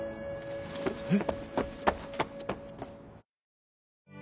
えっ。